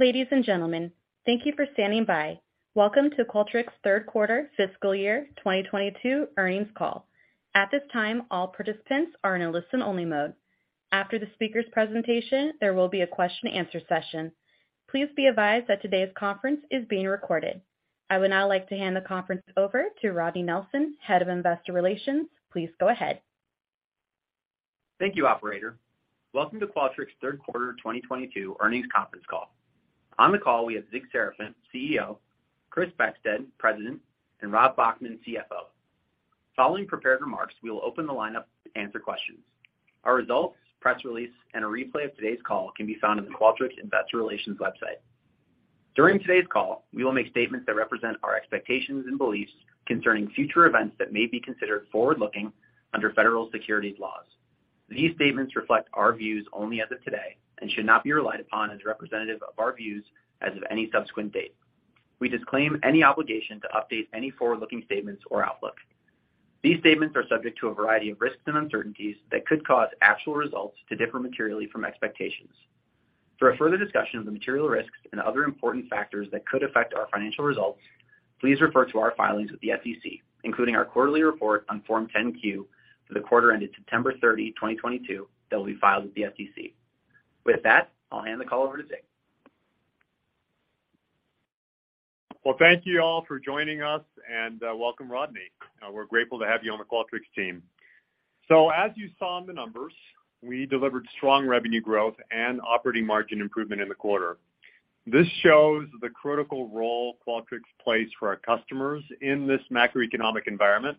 Ladies and gentlemen, thank you for standing by. Welcome to Qualtrics' third quarter fiscal year 2022 earnings call. At this time, all participants are in a listen only mode. After the speaker's presentation, there will be a question and answer session. Please be advised that today's conference is being recorded. I would now like to hand the conference over to Rodney Nelson, Head of Investor Relations. Please go ahead. Thank you, operator. Welcome to Qualtrics' third quarter 2022 earnings conference call. On the call, we have Zig Serafin, CEO, Chris Beckstead, President, and Rob Bachman, CFO. Following prepared remarks, we will open the line up to answer questions. Our results, press release, and a replay of today's call can be found on the Qualtrics Investor Relations website. During today's call, we will make statements that represent our expectations and beliefs concerning future events that may be considered forward-looking under federal securities laws. These statements reflect our views only as of today and should not be relied upon as representative of our views as of any subsequent date. We disclaim any obligation to update any forward-looking statements or outlook. These statements are subject to a variety of risks and uncertainties that could cause actual results to differ materially from expectations. For a further discussion of the material risks and other important factors that could affect our financial results, please refer to our filings with the SEC, including our quarterly report on Form 10-Q for the quarter ended September 30, 2022, that will be filed with the SEC. With that, I'll hand the call over to Zig. Well, thank you all for joining us, and welcome, Rodney. We're grateful to have you on the Qualtrics team. As you saw in the numbers, we delivered strong revenue growth and operating margin improvement in the quarter. This shows the critical role Qualtrics plays for our customers in this macroeconomic environment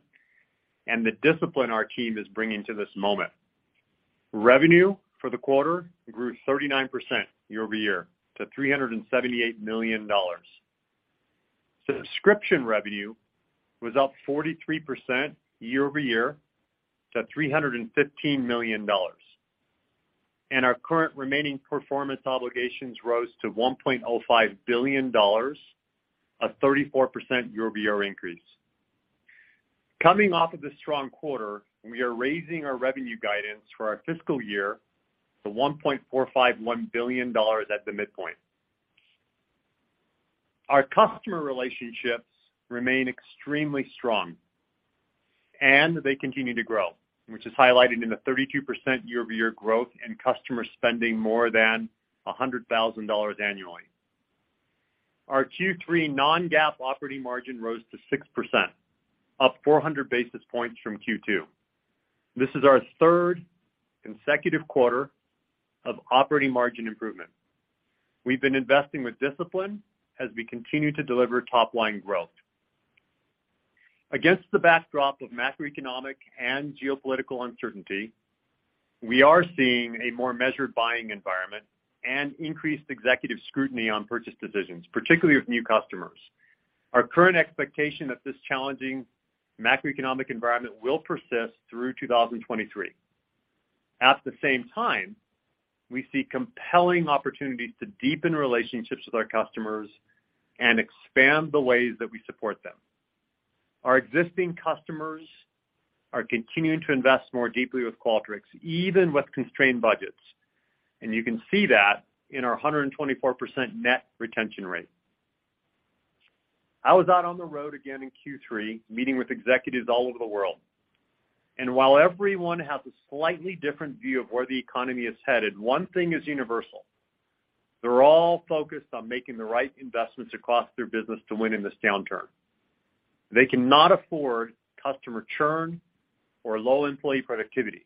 and the discipline our team is bringing to this moment. Revenue for the quarter grew 39% year-over-year to $338 million. Subscription revenue was up 43% year-over-year to $315 million. Our current remaining performance obligations rose to $1.05 billion, a 34% year-over-year increase. Coming off of a strong quarter, we are raising our revenue guidance for our fiscal year to $1.451 billion at the midpoint. Our customer relationships remain extremely strong, and they continue to grow, which is highlighted in the 32% year-over-year growth in customer spending more than $100,000 annually. Our Q3 non-GAAP operating margin rose to 6%, up 400 basis points from Q2. This is our third consecutive quarter of operating margin improvement. We've been investing with discipline as we continue to deliver top-line growth. Against the backdrop of macroeconomic and geopolitical uncertainty, we are seeing a more measured buying environment and increased executive scrutiny on purchase decisions, particularly with new customers. Our current expectation that this challenging macroeconomic environment will persist through 2023. At the same time, we see compelling opportunities to deepen relationships with our customers and expand the ways that we support them. Our existing customers are continuing to invest more deeply with Qualtrics, even with constrained budgets. You can see that in our 124% net retention rate. I was out on the road again in Q3, meeting with executives all over the world. While everyone has a slightly different view of where the economy is headed, one thing is universal. They're all focused on making the right investments across their business to win in this downturn. They cannot afford customer churn or low employee productivity.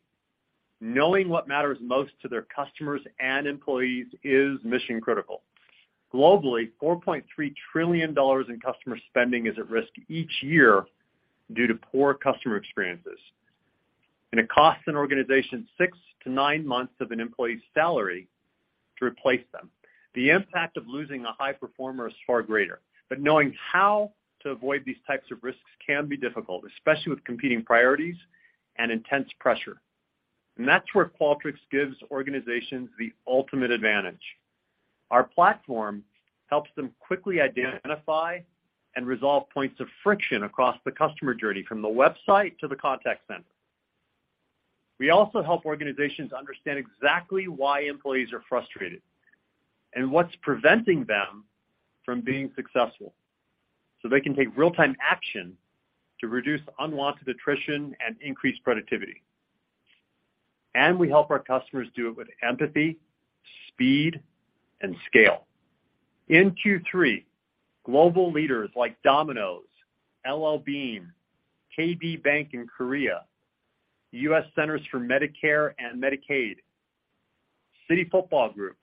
Knowing what matters most to their customers and employees is mission critical. Globally, $4.3 trillion in customer spending is at risk each year due to poor customer experiences. It costs an organization six to nine months of an employee's salary to replace them. The impact of losing a high performer is far greater. Knowing how to avoid these types of risks can be difficult, especially with competing priorities and intense pressure. That's where Qualtrics gives organizations the ultimate advantage. Our platform helps them quickly identify and resolve points of friction across the customer journey, from the website to the contact center. We also help organizations understand exactly why employees are frustrated and what's preventing them from being successful, so they can take real-time action to reduce unwanted attrition and increase productivity. We help our customers do it with empathy, speed, and scale. In Q3, global leaders like Domino's, L.L.Bean, KB Bank in Korea, U.S. Centers for Medicare & Medicaid Services, City Football Group,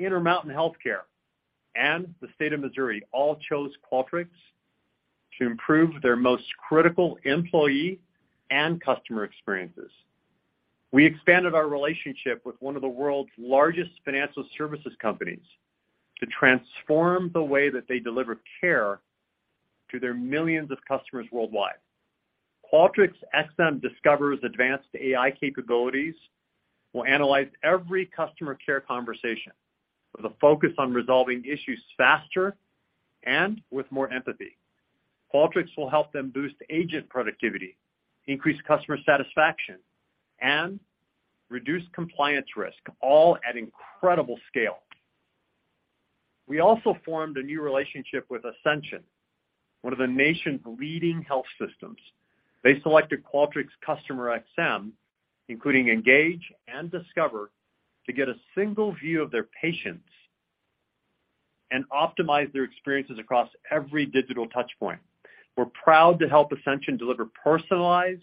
Intermountain Health, and the State of Missouri all chose Qualtrics to improve their most critical employee and customer experiences. We expanded our relationship with one of the world's largest financial services companies to transform the way that they deliver care to their millions of customers worldwide. Qualtrics XM Discover's advanced AI capabilities will analyze every customer care conversation with a focus on resolving issues faster and with more empathy. Qualtrics will help them boost agent productivity, increase customer satisfaction, and reduce compliance risk, all at incredible scale. We also formed a new relationship with Ascension, one of the nation's leading health systems. They selected Qualtrics CustomerXM, including Engage and Discover, to get a single view of their patients and optimize their experiences across every digital touch point. We're proud to help Ascension deliver personalized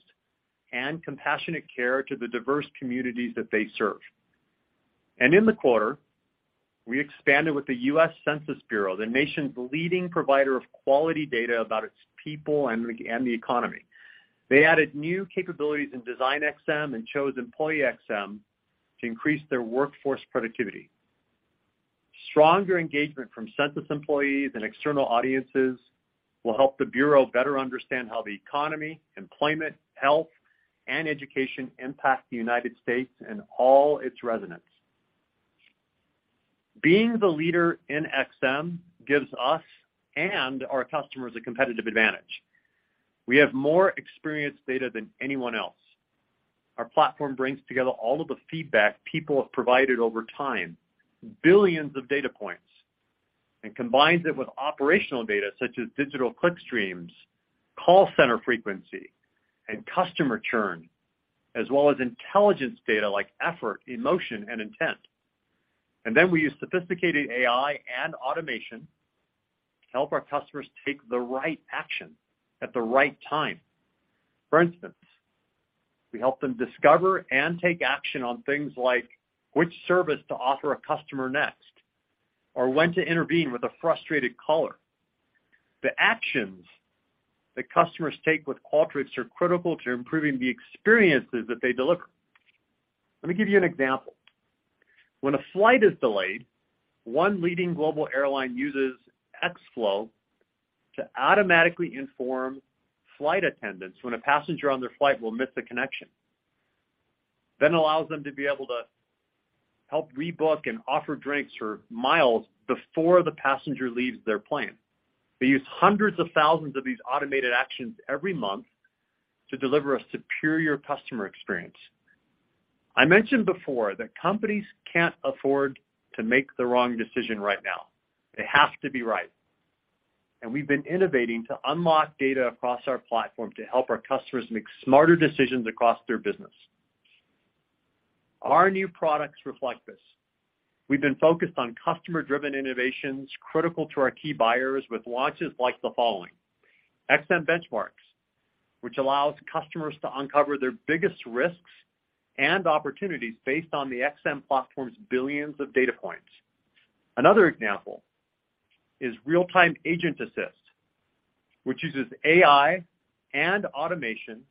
and compassionate care to the diverse communities that they serve. In the quarter, we expanded with the U.S. Census Bureau, the nation's leading provider of quality data about its people and the economy. They added new capabilities in DesignXM and chose EmployeeXM to increase their workforce productivity. Stronger engagement from Census employees and external audiences will help the Bureau better understand how the economy, employment, health, and education impact the United States and all its residents. Being the leader in XM gives us and our customers a competitive advantage. We have more experienced data than anyone else. Our platform brings together all of the feedback people have provided over time, billions of data points, and combines it with operational data such as digital click streams, call center frequency, and customer churn, as well as intelligence data like effort, emotion, and intent. We use sophisticated AI and automation to help our customers take the right action at the right time. For instance, we help them discover and take action on things like which service to offer a customer next, or when to intervene with a frustrated caller. The actions that customers take with Qualtrics are critical to improving the experiences that they deliver. Let me give you an example. When a flight is delayed, one leading global airline uses xFlow to automatically inform flight attendants when a passenger on their flight will miss a connection, then allows them to be able to help rebook and offer drinks or miles before the passenger leaves their plane. They use hundreds of thousands of these automated actions every month to deliver a superior customer experience. I mentioned before that companies can't afford to make the wrong decision right now. They have to be right. We've been innovating to unlock data across our platform to help our customers make smarter decisions across their business. Our new products reflect this. We've been focused on customer-driven innovations critical to our key buyers with launches like the following. XM Benchmarks, which allows customers to uncover their biggest risks and opportunities based on the XM Platform's billions of data points. Another example is Real-Time Agent Assist, which uses AI and automation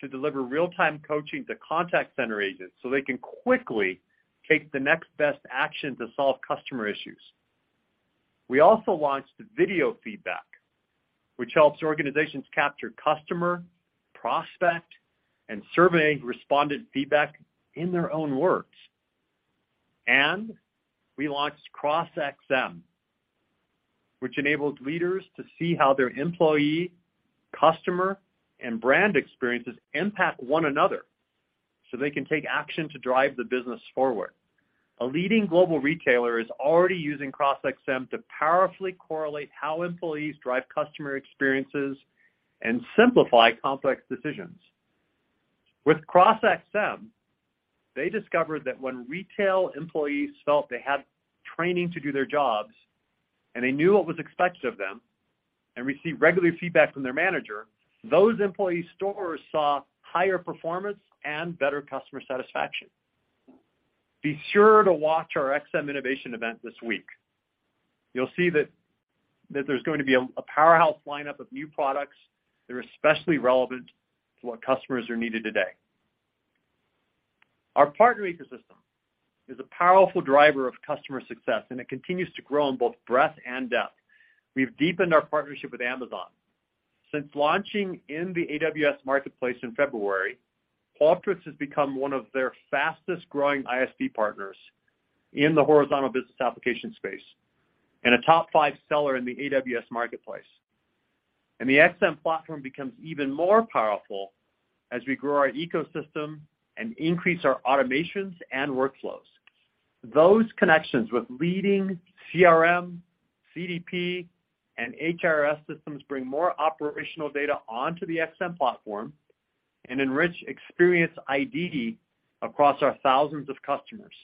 to deliver real-time coaching to contact center agents so they can quickly take the next best action to solve customer issues. We also launched Video Feedback, which helps organizations capture customer, prospect, and survey respondent feedback in their own words. We launched CrossXM, which enables leaders to see how their employee, customer, and brand experiences impact one another so they can take action to drive the business forward. A leading global retailer is already using CrossXM to powerfully correlate how employees drive customer experiences and simplify complex decisions. With CrossXM, they discovered that when retail employees felt they had training to do their jobs, and they knew what was expected of them, and received regular feedback from their manager, those employee stores saw higher performance and better customer satisfaction. Be sure to watch our XM innovation event this week. You'll see that there's going to be a powerhouse lineup of new products that are especially relevant to what customers are needing today. Our partner ecosystem is a powerful driver of customer success, and it continues to grow in both breadth and depth. We've deepened our partnership with Amazon. Since launching in the AWS Marketplace in February, Qualtrics has become one of their fastest-growing ISV Partners in the horizontal business application space and a top five seller in the AWS Marketplace. The XM platform becomes even more powerful as we grow our ecosystem and increase our automations and workflows. Those connections with leading CRM, CDP, and HRIS systems bring more operational data onto the XM platform and enrich Experience ID across our thousands of customers.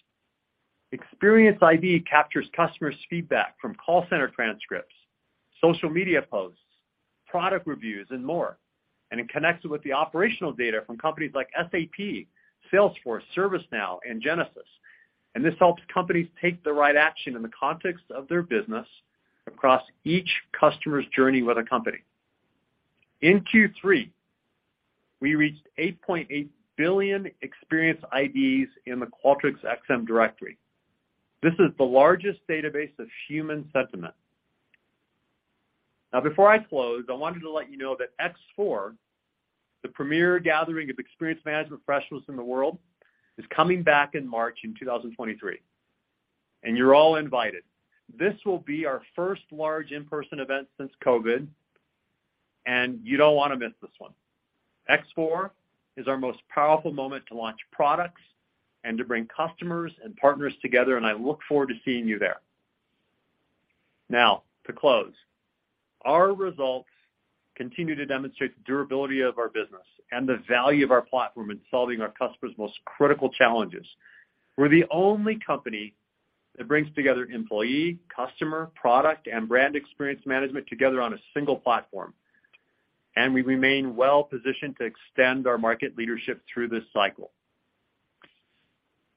Experience ID captures customers' feedback from call center transcripts, social media posts, product reviews, and more, and it connects it with the operational data from companies like SAP, Salesforce, ServiceNow, and Genesys. This helps companies take the right action in the context of their business across each customer's journey with a company. In Q3, we reached 8.8 billion Experience IDs in the Qualtrics XM Directory. This is the largest database of human sentiment. Now before I close, I wanted to let you know that X4, the premier gathering of experience management professionals in the world, is coming back in March 2023. You're all invited. This will be our first large in-person event since COVID, and you don't wanna miss this one. X4 is our most powerful moment to launch products, and to bring customers and partners together, and I look forward to seeing you there. Now to close. Our results continue to demonstrate the durability of our business, and the value of our platform in solving our customers' most critical challenges. We're the only company that brings together employee, customer, product, and brand experience management together on a single platform, and we remain well-positioned to extend our market leadership through this cycle.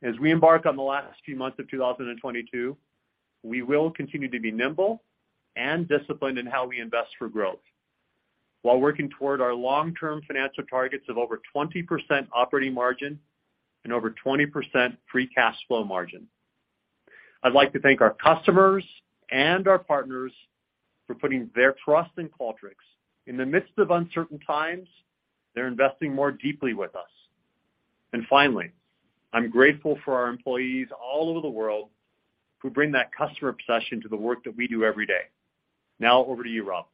As we embark on the last few months of 2022, we will continue to be nimble and disciplined in how we invest for growth, while working toward our long-term financial targets of over 20% operating margin and over 20% free cash flow margin. I'd like to thank our customers and our partners for putting their trust in Qualtrics. In the midst of uncertain times, they're investing more deeply with us. Finally, I'm grateful for our employees all over the world who bring that customer obsession to the work that we do every day. Now over to you, Rob.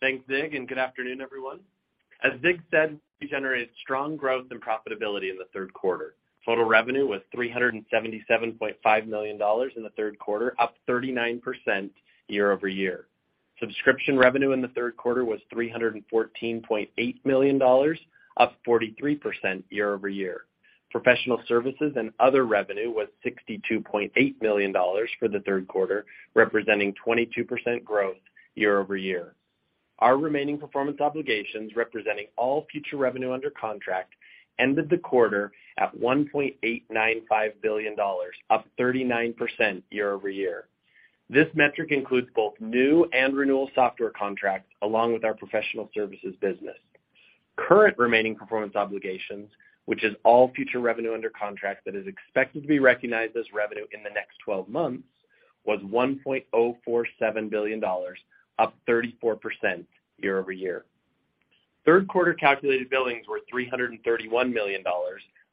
Thanks, Zig, and good afternoon, everyone. As Zig said, we generated strong growth and profitability in the third quarter. Total revenue was $377.5 million in the third quarter, up 39% year-over-year. Subscription revenue in the third quarter was $314.8 million, up 43% year-over-year. Professional services and other revenue was $62.8 million for the third quarter, representing 22% growth year-over-year. Our remaining performance obligations representing all future revenue under contract ended the quarter at $1.895 billion, up 39% year-over-year. This metric includes both new and renewal software contracts along with our professional services business. Current remaining performance obligations, which is all future revenue under contract that is expected to be recognized as revenue in the next 12 months, was $1.047 billion, up 34% year-over-year. Third quarter calculated billings were $331 million,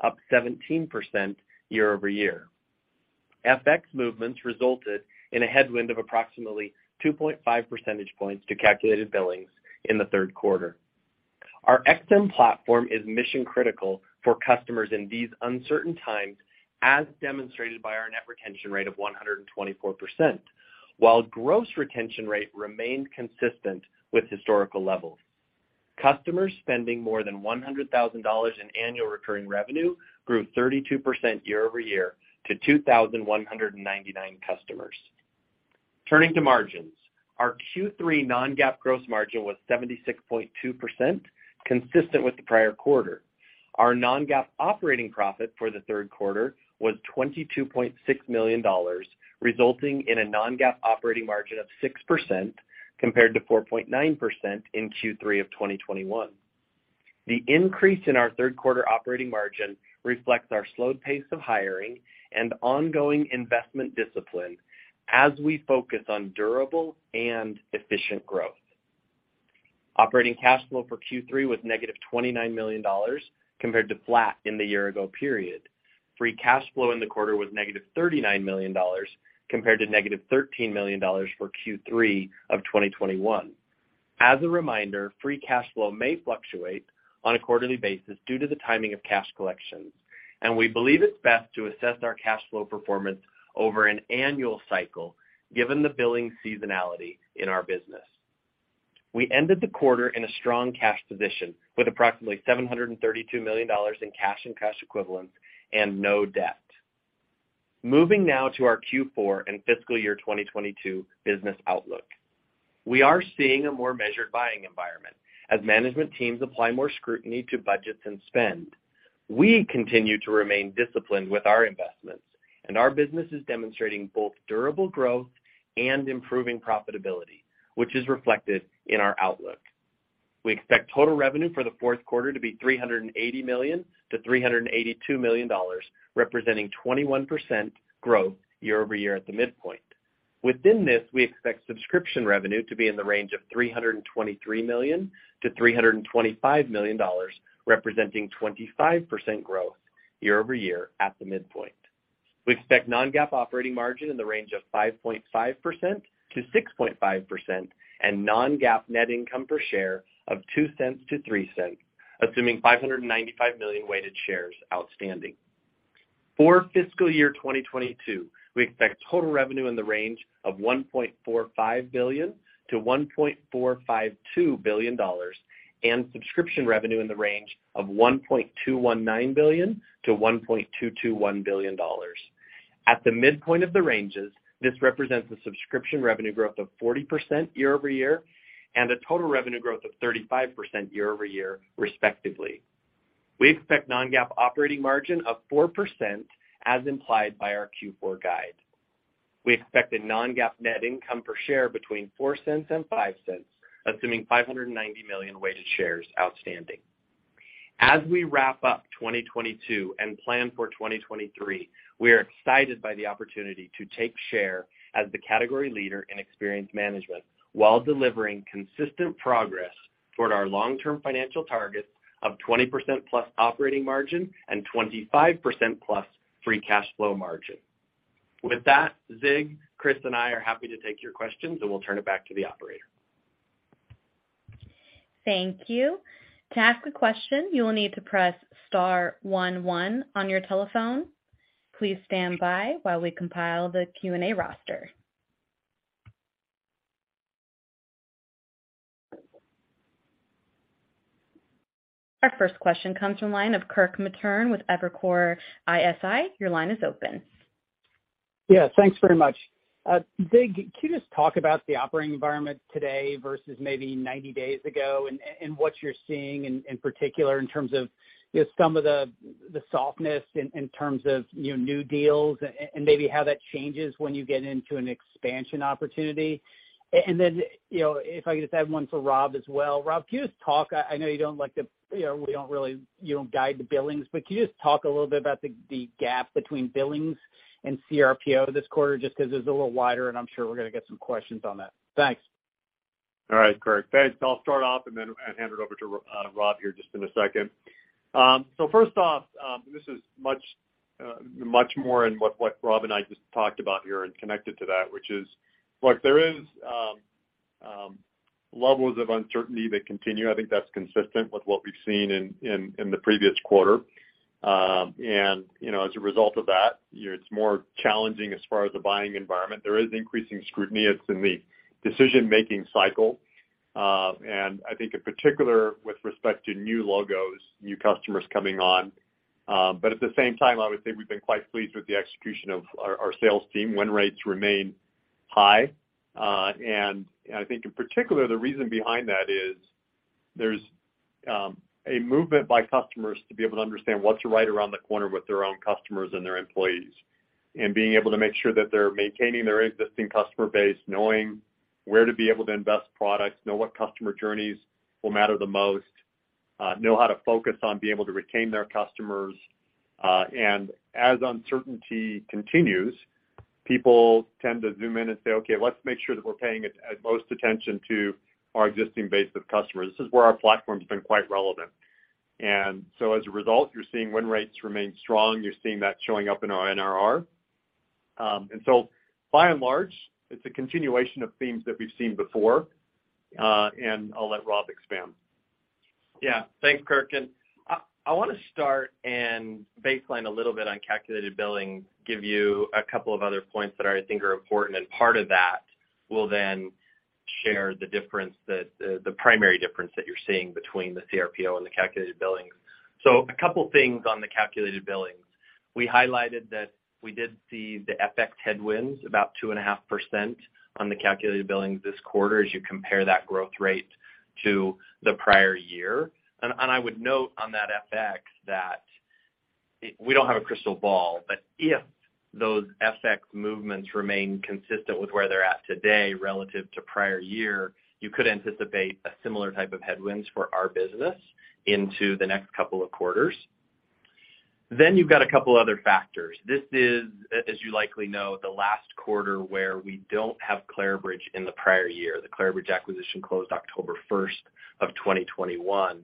up 17% year-over-year. FX movements resulted in a headwind of approximately 2.5% points to calculated billings in the third quarter. Our XM platform is mission-critical for customers in these uncertain times, as demonstrated by our net retention rate of 124%. While gross retention rate remained consistent with historical levels. Customers spending more than $100,000 in annual recurring revenue grew 32% year-over-year to 2,199 customers. Turning to margins. Our Q3 non-GAAP gross margin was 76.2%, consistent with the prior quarter. Our non-GAAP operating profit for the third quarter was $22.6 million, resulting in a non-GAAP operating margin of 6% compared to 4.9% in Q3 of 2021. The increase in our third quarter operating margin reflects our slowed pace of hiring and ongoing investment discipline as we focus on durable and efficient growth. Operating cash flow for Q3 was -$29 million compared to flat in the year ago period. Free cash flow in the quarter was -$39 million compared to -$13 million for Q3 of 2021. As a reminder, free cash flow may fluctuate on a quarterly basis due to the timing of cash collections, and we believe it's best to assess our cash flow performance over an annual cycle given the billing seasonality in our business. We ended the quarter in a strong cash position with approximately $732 million in cash and cash equivalents and no debt. Moving now to our Q4 and fiscal year 2022 business outlook. We are seeing a more measured buying environment as management teams apply more scrutiny to budgets and spend. We continue to remain disciplined with our investments, and our business is demonstrating both durable growth and improving profitability, which is reflected in our outlook. We expect total revenue for the fourth quarter to be $380 million-$382 million, representing 21% growth year-over-year at the midpoint. Within this, we expect subscription revenue to be in the range of $323 million-$325 million, representing 25% growth year-over-year at the midpoint. We expect non-GAAP operating margin in the range of 5.5%-6.5%, and non-GAAP net income per share of $0.02-$0.03, assuming 595 million weighted shares outstanding. For fiscal year 2022, we expect total revenue in the range of $1.45 billion-$1.452 billion, and subscription revenue in the range of $1.219 billion-$1.221 billion. At the midpoint of the ranges, this represents the subscription revenue growth of 40% year-over-year, and a total revenue growth of 35% year-over-year, respectively. We expect non-GAAP operating margin of 4% as implied by our Q4 guide. We expect a non-GAAP net income per share between $0.04 and $0.05, assuming 590 million weighted shares outstanding. As we wrap up 2022 and plan for 2023, we are excited by the opportunity to take share as the category leader in experience management while delivering consistent progress Toward our long-term financial targets of 20%+ operating margin and 25%+ free cash flow margin. With that, Zig, Chris, and I are happy to take your questions, and we'll turn it back to the operator. Thank you. To ask a question, you will need to press star one one on your telephone. Please stand by while we compile the Q&A roster. Our first question comes from the line of Kirk Materne with Evercore ISI. Your line is open. Yeah. Thanks very much. Zig, can you just talk about the operating environment today versus maybe 90 days ago and what you're seeing in particular in terms of just some of the softness in terms of, you know, new deals and maybe how that changes when you get into an expansion opportunity. Then, you know, if I could just add one to Rob as well. Rob, can you just talk. I know you don't like to, you know, you don't guide the billings, but can you just talk a little bit about the gap between billings and CRPO this quarter, just 'cause it's a little wider, and I'm sure we're gonna get some questions on that. Thanks. All right, Kirk. Thanks. I'll start off and hand it over to Rob here just in a second. First off, this is much more in what Rob and I just talked about here and connected to that, which is, look, there is levels of uncertainty that continue. I think that's consistent with what we've seen in the previous quarter. You know, as a result of that, you know, it's more challenging as far as the buying environment. There is increasing scrutiny. It's in the decision-making cycle, and I think in particular with respect to new logos, new customers coming on. At the same time, I would say we've been quite pleased with the execution of our sales team. Win rates remain high. I think in particular, the reason behind that is there's a movement by customers to be able to understand what's right around the corner with their own customers and their employees, and being able to make sure that they're maintaining their existing customer base, knowing where to be able to invest products, know what customer journeys will matter the most, know how to focus on being able to retain their customers. As uncertainty continues, people tend to zoom in and say, "Okay, let's make sure that we're paying at most attention to our existing base of customers." This is where our platform's been quite relevant. As a result, you're seeing win rates remain strong. You're seeing that showing up in our NRR. By and large, it's a continuation of themes that we've seen before, and I'll let Rob expand. Yeah. Thanks, Serafin. I wanna start and baseline a little bit on calculated billings, give you a couple of other points that I think are important, and part of that will then share the difference that the primary difference that you're seeing between the CRPO and the calculated billings. A couple things on the calculated billings. We highlighted that we did see the FX headwinds about 2.5% on the calculated billings this quarter, as you compare that growth rate to the prior year. I would note on that FX that we don't have a crystal ball, but if those FX movements remain consistent with where they're at today relative to prior year, you could anticipate a similar type of headwinds for our business into the next couple of quarters. You've got a couple other factors. This is, as you likely know, the last quarter where we don't have Clarabridge in the prior year. The Clarabridge acquisition closed October 1st, 2021.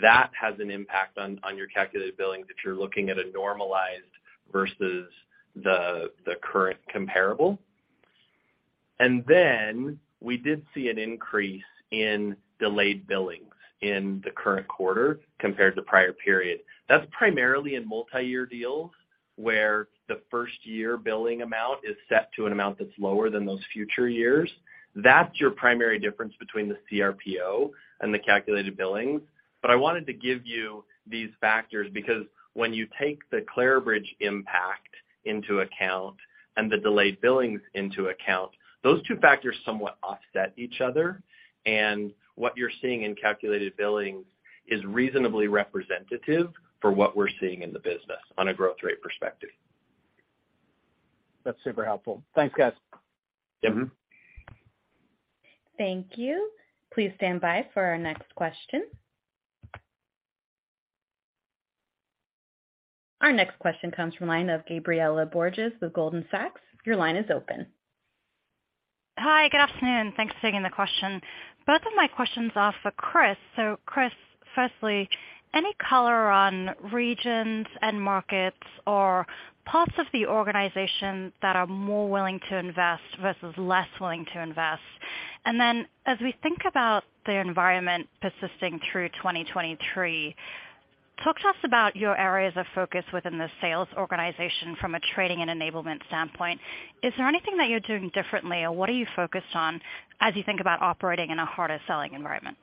That has an impact on your calculated billings that you're looking at a normalized versus the current comparable. Then we did see an increase in delayed billings in the current quarter compared to prior period. That's primarily in multi-year deals, where the first year billing amount is set to an amount that's lower than those future years. That's your primary difference between the CRPO and the calculated billings. But I wanted to give you these factors because when you take the Clarabridge impact into account and the delayed billings into account, those two factors somewhat offset each other, and what you're seeing in calculated billings is reasonably representative for what we're seeing in the business on a growth rate perspective. That's super helpful. Thanks, guys. Mm-hmm. Thank you. Please stand by for our next question. Our next question comes from line of Gabriela Borges with Goldman Sachs. Your line is open. Hi. Good afternoon. Thanks for taking the question. Both of my questions are for Chris. So Chris, firstly, any color on regions and markets or parts of the organization that are more willing to invest versus less willing to invest? As we think about the environment persisting through 2023, talk to us about your areas of focus within the sales organization from a training and enablement standpoint. Is there anything that you're doing differently, or what are you focused on as you think about operating in a harder selling environment?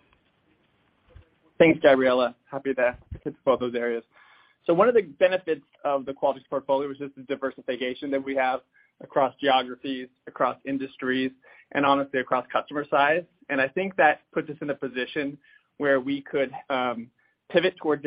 Thanks, Gabriela. Happy to hit both those areas. One of the benefits of the Qualtrics portfolio is just the diversification that we have across geographies, across industries, and honestly across customer size. I think that puts us in a position where we could pivot towards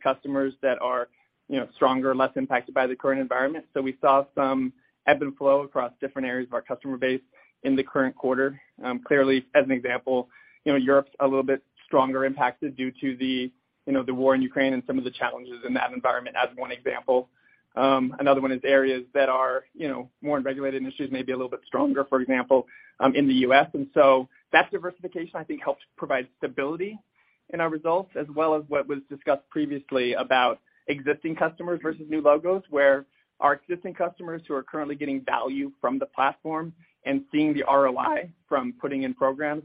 customers that are, you know, stronger, less impacted by the current environment. We saw some ebb and flow across different areas of our customer base in the current quarter. Clearly as an example. You know, Europe's a little bit stronger impacted due to the, you know, the war in Ukraine and some of the challenges in that environment as one example. Another one is areas that are, you know, more in regulated industries may be a little bit stronger, for example, in the U.S. That diversification, I think, helps provide stability in our results as well as what was discussed previously about existing customers versus new logos, where our existing customers who are currently getting value from the platform and seeing the ROI from putting in programs,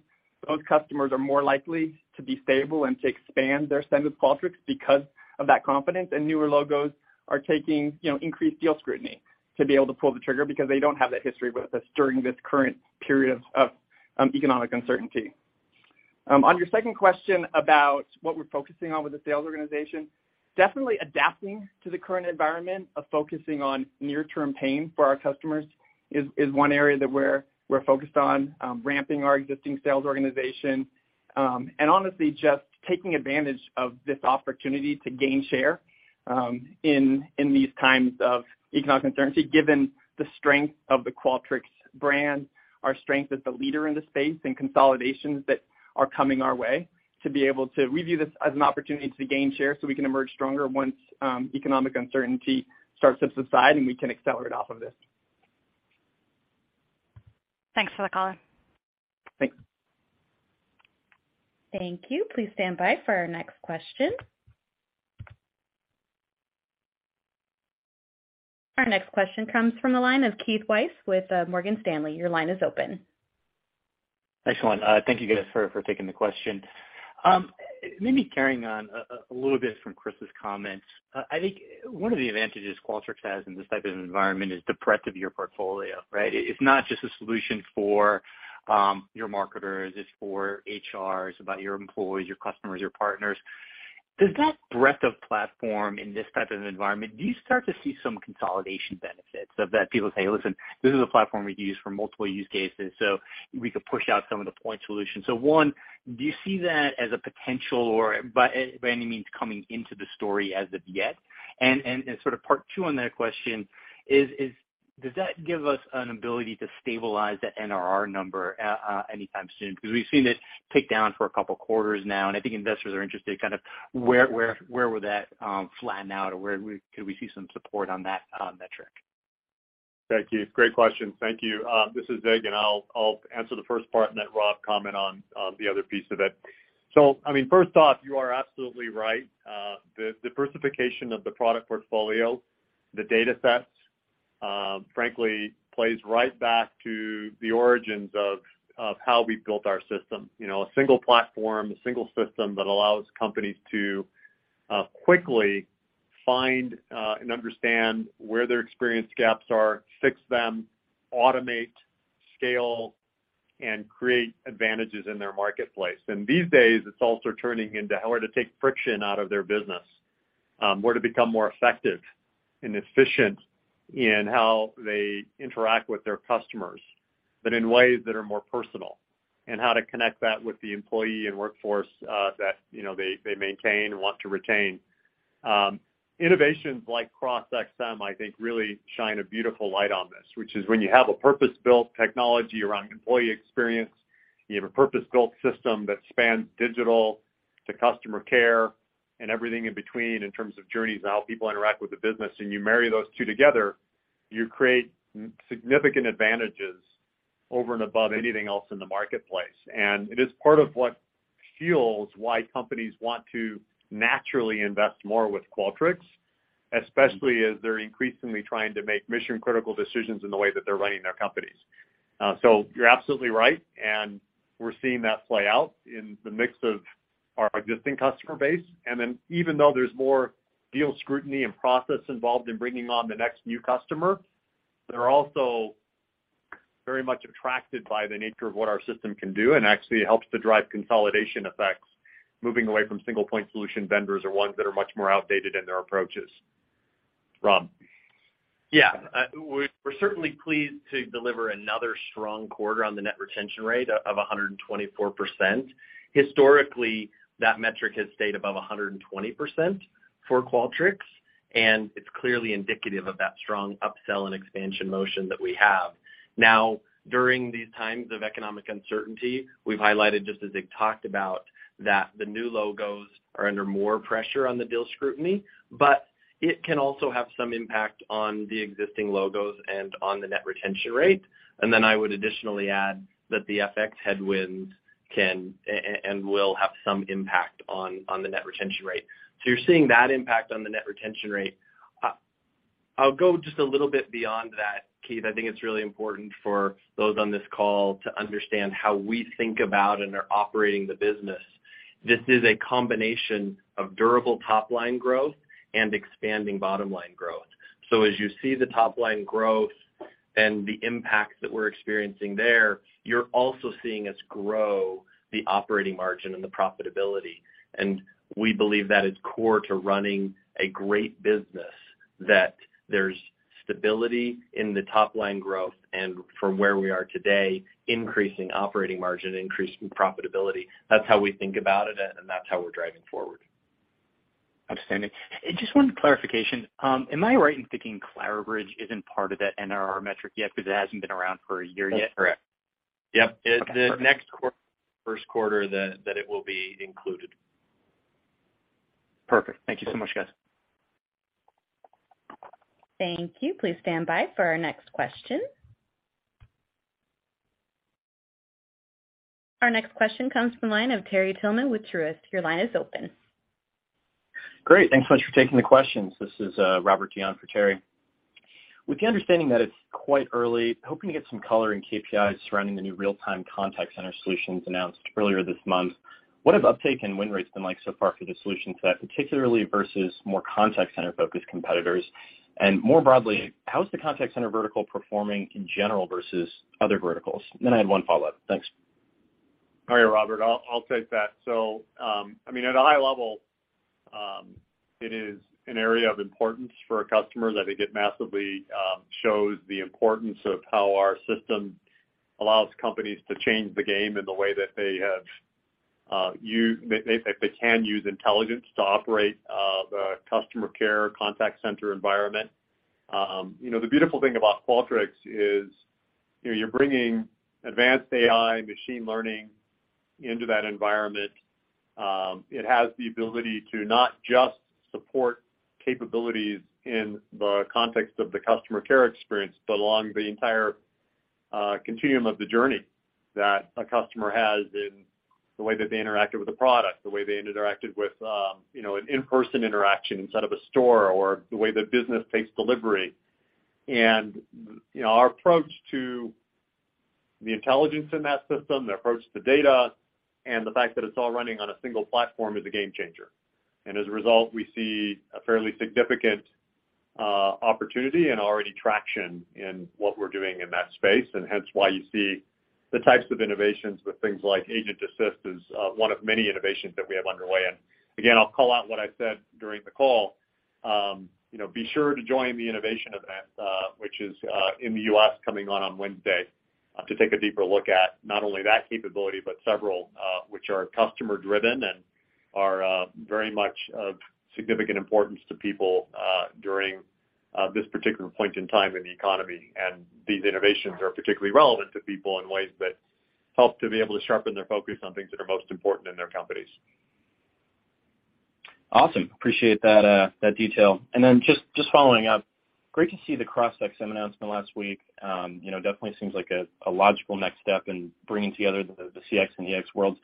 those customers are more likely to be stable and to expand their spend with Qualtrics because of that confidence. Newer logos are taking, you know, increased deal scrutiny to be able to pull the trigger because they don't have that history with us during this current period of economic uncertainty. On your second question about what we're focusing on with the sales organization, definitely adapting to the current environment of focusing on near-term pain for our customers is one area that we're focused on, ramping our existing sales organization, and honestly just taking advantage of this opportunity to gain share in these times of economic uncertainty, given the strength of the Qualtrics brand, our strength as the leader in the space and consolidations that are coming our way, to be able to view this as an opportunity to gain share so we can emerge stronger once economic uncertainty starts to subside and we can accelerate off of this. Thanks for the color. Thanks. Thank you. Please stand by for our next question. Our next question comes from the line of Keith Weiss with Morgan Stanley. Your line is open. Excellent. Thank you guys for taking the question. Maybe carrying on a little bit from Chris's comments. I think one of the advantages Qualtrics has in this type of environment is the breadth of your portfolio, right? It's not just a solution for your marketers, it's for HR, it's about your employees, your customers, your partners. Does that breadth of platform in this type of environment, do you start to see some consolidation benefits of that people say, "Listen, this is a platform we could use for multiple use cases, so we could push out some of the point solutions." One, do you see that as a potential or by any means coming into the story as of yet? Sort of part two on that question is, does that give us an ability to stabilize the NRR number anytime soon? Because we've seen it tick down for a couple of quarters now, and I think investors are interested kind of where would that flatten out or where could we see some support on that metric? Thank you. Great question. Thank you. This is Zig, and I'll answer the first part and let Rob comment on the other piece of it. I mean, first off, you are absolutely right. The diversification of the product portfolio, the data sets, frankly, plays right back to the origins of how we built our system. You know, a single platform, a single system that allows companies to quickly find and understand where their experience gaps are, fix them, automate, scale, and create advantages in their marketplace. These days, it's also turning into how to take friction out of their business, where to become more effective and efficient in how they interact with their customers, but in ways that are more personal, and how to connect that with the employee and workforce, that, you know, they maintain and want to retain. Innovations like CrossXM, I think, really shine a beautiful light on this, which is when you have a purpose-built technology around employee experience, you have a purpose-built system that spans digital to customer care and everything in between in terms of journeys and how people interact with the business, and you marry those two together, you create significant advantages over and above anything else in the marketplace. It is part of what fuels why companies want to naturally invest more with Qualtrics, especially as they're increasingly trying to make mission-critical decisions in the way that they're running their companies. You're absolutely right, and we're seeing that play out in the mix of our existing customer base. Even though there's more deal scrutiny and process involved in bringing on the next new customer, they're also very much attracted by the nature of what our system can do and actually helps to drive consolidation effects, moving away from single-point solution vendors or ones that are much more outdated in their approaches. Rob. Yeah. We're certainly pleased to deliver another strong quarter on the net retention rate of 124%. Historically, that metric has stayed above 120% for Qualtrics, and it's clearly indicative of that strong upsell and expansion motion that we have. Now, during these times of economic uncertainty, we've highlighted, just as Zig talked about, that the new logos are under more pressure on the deal scrutiny, but it can also have some impact on the existing logos and on the net retention rate. Then I would additionally add that the FX headwinds can and will have some impact on the net retention rate. You're seeing that impact on the net retention rate. I'll go just a little bit beyond that, Keith. I think it's really important for those on this call to understand how we think about and are operating the business. This is a combination of durable top-line growth and expanding bottom-line growth. As you see the top-line growth and the impact that we're experiencing there, you're also seeing us grow the operating margin and the profitability. We believe that is core to running a great business, that there's stability in the top-line growth, and from where we are today, increasing operating margin, increasing profitability. That's how we think about it, and that's how we're driving forward. Understanding. Just one clarification. Am I right in thinking Clarabridge isn't part of that NRR metric yet because it hasn't been around for a year yet? That's correct. Yep. Okay, perfect. The next quarter, first quarter that it will be included. Perfect. Thank you so much, guys. Thank you. Please stand by for our next question. Our next question comes from the line of Terry Tillman with Truist. Your line is open. Great. Thanks so much for taking the questions. This is Robert Dion for Terry. With the understanding that it's quite early, hoping to get some color in KPIs surrounding the new real-time contact center solutions announced earlier this month. What have uptake and win rates been like so far for the solution set, particularly versus more contact center-focused competitors? And more broadly, how is the contact center vertical performing in general versus other verticals? I had one follow-up. Thanks. All right, Robert, I'll take that. I mean, at a high level, it is an area of importance for our customers. I think it massively shows the importance of how our system allows companies to change the game in the way that they have, they can use intelligence to operate the customer care contact center environment. You know, the beautiful thing about Qualtrics is, you know, you're bringing advanced AI machine learning into that environment. It has the ability to not just support capabilities in the context of the customer care experience, but along the entire continuum of the journey that a customer has in the way that they interacted with the product, the way they interacted with, you know, an in-person interaction inside of a store or the way the business takes delivery. You know, our approach to the intelligence in that system, the approach to data, and the fact that it's all running on a single platform is a game changer. As a result, we see a fairly significant opportunity and already traction in what we're doing in that space, and hence why you see the types of innovations with things like Agent Assist is one of many innovations that we have underway. Again, I'll call out what I said during the call. You know, be sure to join the innovation event, which is in the U.S. coming on Wednesday, to take a deeper look at not only that capability, but several, which are customer driven and are very much of significant importance to people during this particular point in time in the economy. These innovations are particularly relevant to people in ways that help to be able to sharpen their focus on things that are most important in their companies. Awesome. Appreciate that detail. Just following up, great to see the CrossXM announcement last week. You know, definitely seems like a logical next step in bringing together the CX and EX worlds.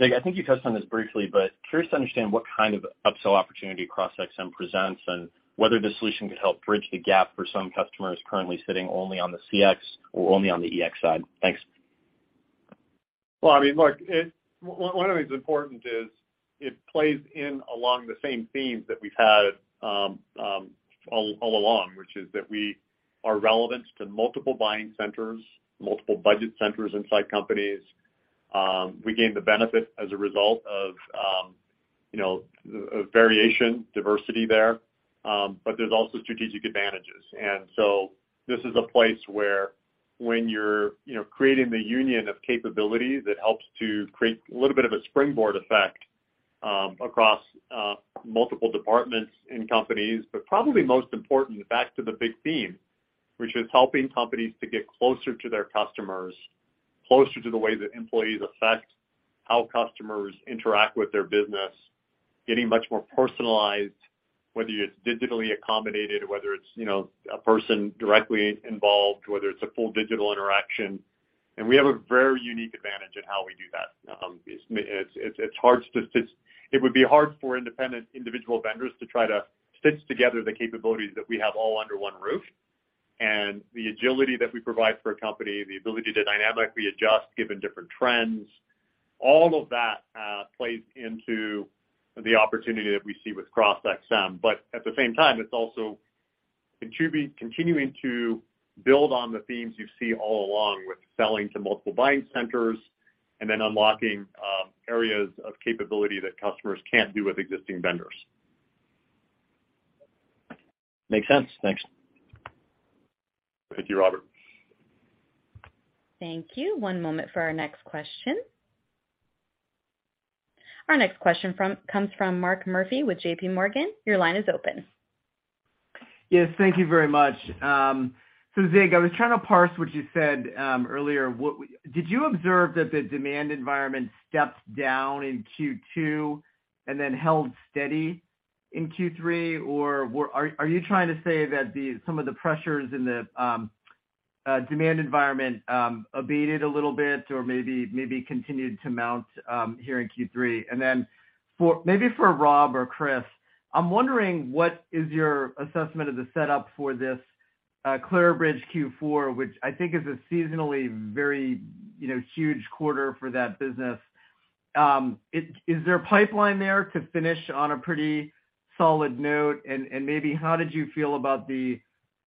Zig, I think you touched on this briefly, but curious to understand what kind of upsell opportunity CrossXM presents and whether this solution could help bridge the gap for some customers currently sitting only on the CX or only on the EX side. Thanks. Well, I mean, look, one of the things important is it plays along the same themes that we've had all along, which is that we are relevant to multiple buying centers, multiple budget centers inside companies. We gain the benefit as a result of, you know, a variation, diversity there. But there's also strategic advantages. This is a place where when you're, you know, creating the union of capabilities, it helps to create a little bit of a springboard effect across multiple departments in companies. Probably most important, back to the big theme, which is helping companies to get closer to their customers, closer to the way that employees affect how customers interact with their business, getting much more personalized, whether it's digitally accommodated, whether it's, you know, a person directly involved, whether it's a full digital interaction. We have a very unique advantage in how we do that. It's hard for independent individual vendors to try to stitch together the capabilities that we have all under one roof. The agility that we provide for a company, the ability to dynamically adjust given different trends, all of that plays into the opportunity that we see with CrossXM. at the same time, it's also continuing to build on the themes you see all along with selling to multiple buying centers and then unlocking areas of capability that customers can't do with existing vendors. Makes sense. Thanks. Thank you, Bobby. Thank you. One moment for our next question. Our next question comes from Mark Murphy with J.P. Morgan. Your line is open. Yes, thank you very much. Zig, I was trying to parse what you said earlier. Did you observe that the demand environment stepped down in Q2 and then held steady in Q3? Or are you trying to say that some of the pressures in the demand environment abated a little bit or maybe continued to mount here in Q3? Maybe for Rob or Chris, I'm wondering what is your assessment of the setup for this Clarabridge Q4, which I think is a seasonally very, you know, huge quarter for that business. Is there a pipeline there to finish on a pretty solid note? Maybe how did you feel about the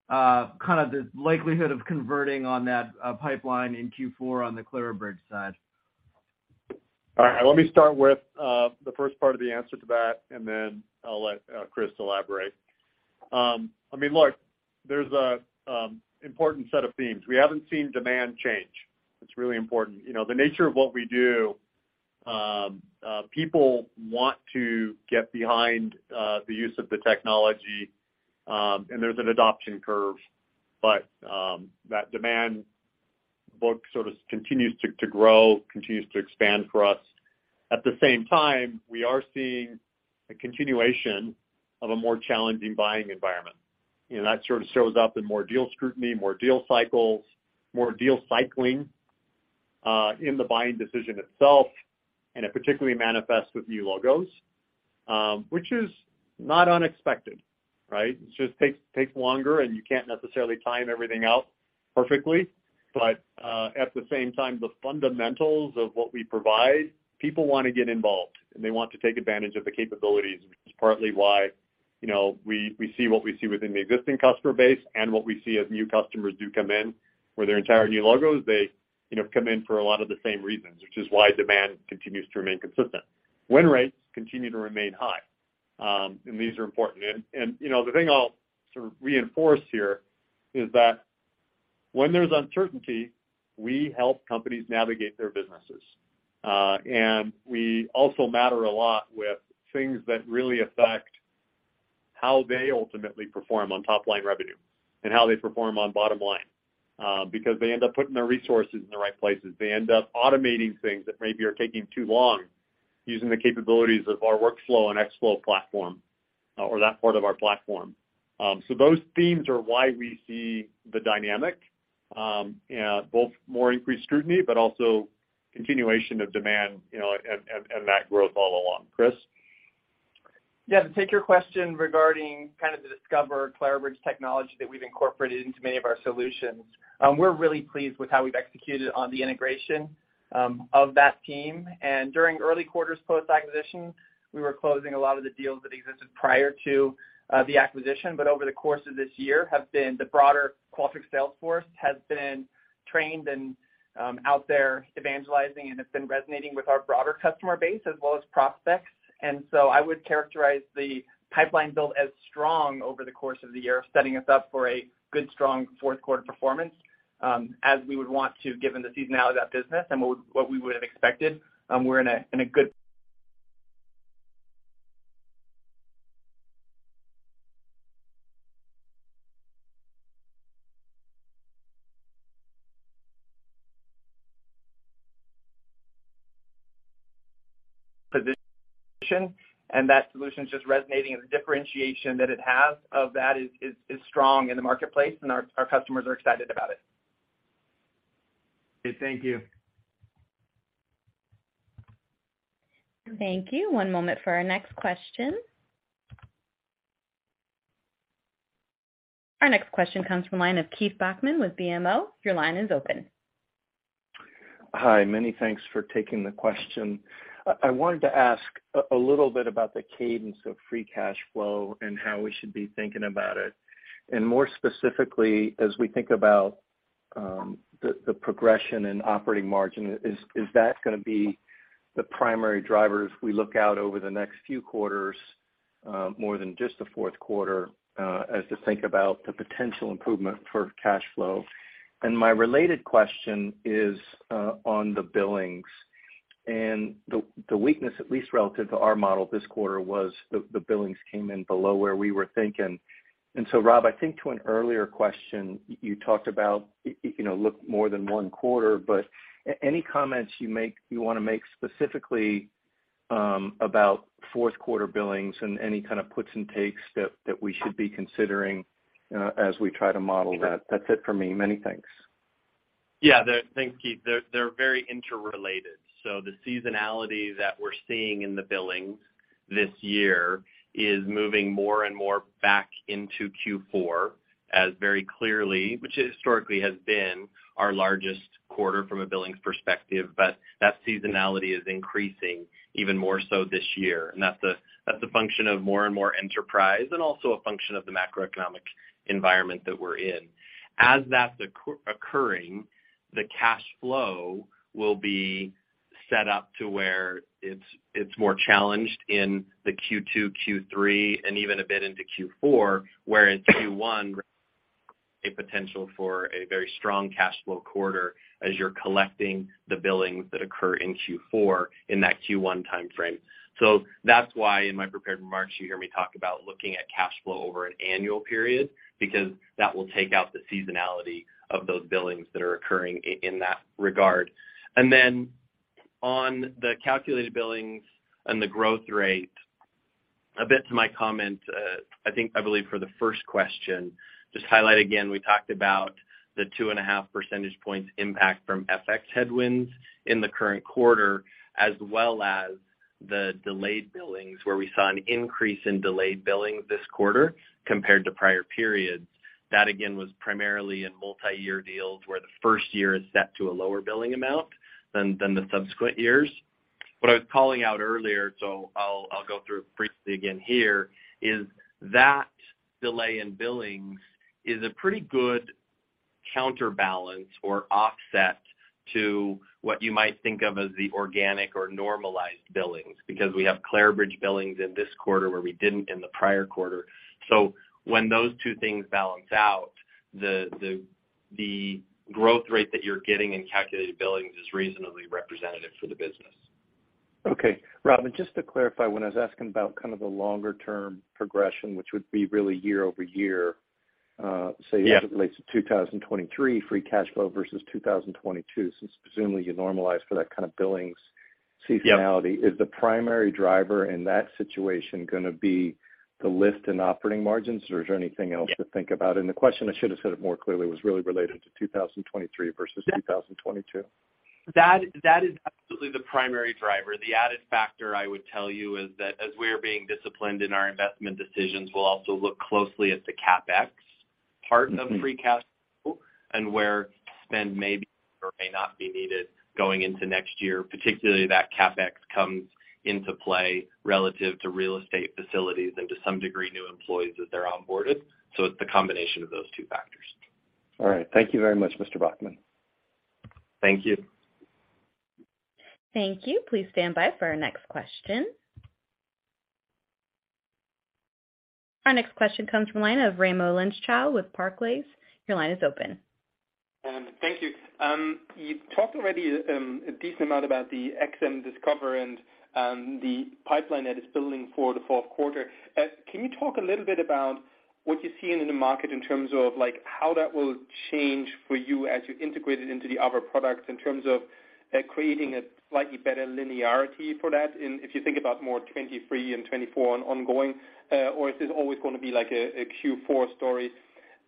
kind of likelihood of converting on that pipeline in Q4 on the Clarabridge side? All right. Let me start with the first part of the answer to that, and then I'll let Chris elaborate. I mean, look, there's an important set of themes. We haven't seen demand change. It's really important. You know, the nature of what we do, people want to get behind the use of the technology, and there's an adoption curve. That demand book sort of continues to grow, continues to expand for us. At the same time, we are seeing a continuation of a more challenging buying environment. You know, that sort of shows up in more deal scrutiny, more deal cycles, more deal cycling in the buying decision itself, and it particularly manifests with new logos, which is not unexpected, right? It just takes longer, and you can't necessarily time everything out perfectly. At the same time, the fundamentals of what we provide, people wanna get involved, and they want to take advantage of the capabilities, which is partly why, you know, we see what we see within the existing customer base and what we see as new customers do come in where they're entirely new logos. They, you know, come in for a lot of the same reasons, which is why demand continues to remain consistent. Win rates continue to remain high, and these are important. You know, the thing I'll sort of reinforce here is that when there's uncertainty, we help companies navigate their businesses. We also matter a lot with things that really affect how they ultimately perform on top line revenue and how they perform on bottom line, because they end up putting their resources in the right places. They end up automating things that maybe are taking too long using the capabilities of our workflow and xFlow platform, or that part of our platform. Those themes are why we see the dynamic, both more increased scrutiny but also continuation of demand, you know, and that growth all along. Chris? Yeah. To take your question regarding kind of the XM Discover Clarabridge technology that we've incorporated into many of our solutions, we're really pleased with how we've executed on the integration of that team. During early quarters post-acquisition, we were closing a lot of the deals that existed prior to the acquisition. Over the course of this year, the broader Qualtrics sales force has been trained and out there evangelizing, and it's been resonating with our broader customer base as well as prospects. I would characterize the pipeline build as strong over the course of the year, setting us up for a good, strong fourth quarter performance, as we would want to given the seasonality of that business and what we would have expected. We're in a good position, and that solution's just resonating, and the differentiation that it has of that is strong in the marketplace, and our customers are excited about it. Okay. Thank you. Thank you. One moment for our next question. Our next question comes from line of Keith Bachman with BMO. Your line is open. Hi. Many thanks for taking the question. I wanted to ask a little bit about the cadence of free cash flow and how we should be thinking about it. More specifically, as we think about the progression in operating margin, is that gonna be the primary driver as we look out over the next few quarters, more than just the fourth quarter, as to think about the potential improvement for cash flow? My related question is on the billings. The weakness, at least relative to our model this quarter, was the billings came in below where we were thinking. Rob, I think to an earlier question, you talked about, you know, look more than one quarter. Any comments you wanna make specifically about fourth quarter billings and any kind of puts and takes that we should be considering as we try to model that? That's it for me. Many thanks. Yeah. Thanks, Keith. They're very interrelated. The seasonality that we're seeing in the billings this year is moving more and more back into Q4 as is very clearly, which historically has been our largest quarter from a billings perspective. That seasonality is increasing even more so this year. That's a function of more and more enterprise and also a function of the macroeconomic environment that we're in. As that's occurring, the cash flow will be set up to where it's more challenged in the Q2, Q3, and even a bit into Q4, where in Q1, a potential for a very strong cash flow quarter as you're collecting the billings that occur in Q4 in that Q1 timeframe. That's why in my prepared remarks, you hear me talk about looking at cash flow over an annual period because that will take out the seasonality of those billings that are occurring in that regard. Then on the calculated billings and the growth rate, a bit to my comment, I think, I believe for the first question, just to highlight again, we talked about the 2.5% points impact from FX headwinds in the current quarter, as well as the delayed billings, where we saw an increase in delayed billings this quarter compared to prior periods. That again, was primarily in multiyear deals, where the first year is set to a lower billing amount than the subsequent years. What I was calling out earlier, I'll go through briefly again here, is that delay in billings is a pretty good Counterbalance or offset to what you might think of as the organic or normalized billings, because we have Clarabridge billings in this quarter where we didn't in the prior quarter. When those two things balance out, the growth rate that you're getting in calculated billings is reasonably representative for the business. Okay. Rob, just to clarify, when I was asking about kind of the longer-term progression, which would be really year-over-year. Yeah. Say, as it relates to 2023 free cash flow versus 2022, since presumably you normalize for that kind of billings seasonality. Yeah. Is the primary driver in that situation gonna be the lift in operating margins, or is there anything else to think about? The question, I should have said it more clearly, was really related to 2023 versus 2022. That is absolutely the primary driver. The added factor I would tell you is that as we are being disciplined in our investment decisions, we'll also look closely at the CapEx part of free cash flow and where spend may be or may not be needed going into next year. Particularly that CapEx comes into play relative to real estate facilities and to some degree, new employees as they're onboarded. It's the combination of those two factors. All right. Thank you very much, Mr. Bachman. Thank you. Thank you. Please stand by for our next question. Our next question comes from the line of Raimo Lenschow with Barclays. Your line is open. You've talked already a decent amount about the XM Discover and the pipeline that is building for the fourth quarter. Can you talk a little bit about what you're seeing in the market in terms of, like, how that will change for you as you integrate it into the other products in terms of creating a slightly better linearity for that in 2023 and 2024 ongoing, or is this always gonna be like a Q4 story?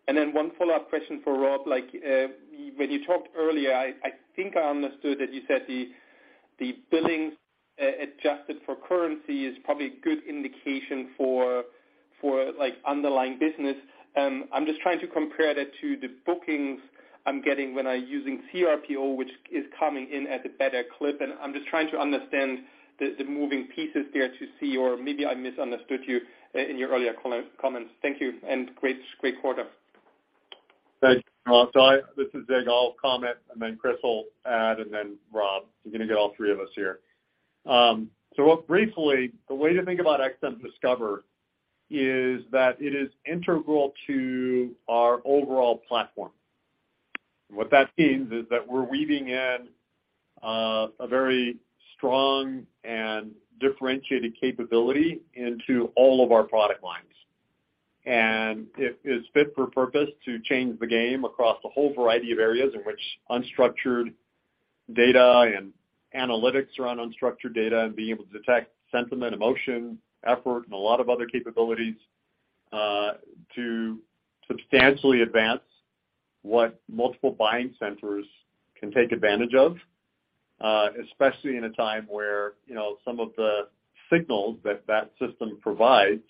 Then one follow-up question for Rob, like, when you talked earlier, I think I understood that you said the billings adjusted for currency is probably a good indication for like underlying business. I'm just trying to compare that to the bookings I'm getting when I'm using CRPO, which is coming in at a better clip. I'm just trying to understand the moving pieces there to see, or maybe I misunderstood you in your earlier comments. Thank you, and great quarter. Thank you, Raimo. This is Zig. I'll comment, and then Chris will add, and then Rob. You're gonna get all three of us here. Briefly, the way to think about XM Discover is that it is integral to our overall platform. What that means is that we're weaving in a very strong and differentiated capability into all of our product lines. It is fit for purpose to change the game across a whole variety of areas in which unstructured data and analytics around unstructured data and being able to detect sentiment, emotion, effort, and a lot of other capabilities to substantially advance what multiple buying centers can take advantage of, especially in a time where, you know, some of the signals that that system provides